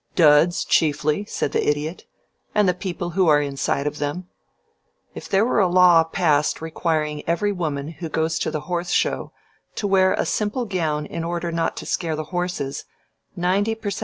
"Duds chiefly," said the Idiot, "and the people who are inside of them. If there were a law passed requiring every woman who goes to the Horse Show to wear a simple gown in order not to scare the horses, ninety per cent.